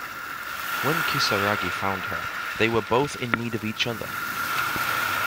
When Kisaragi found her, they were both in need of each other.